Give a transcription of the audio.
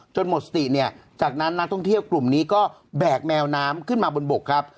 หมดสติเนี่ยจากนั้นนักท่องเที่ยวกลุ่มนี้ก็แบกแมวน้ำขึ้นมาบนบกครับ